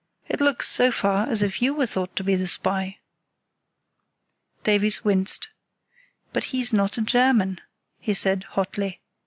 It looks so far as if you were thought to be the spy. Davies winced. "But he's not a German," he said, hotly.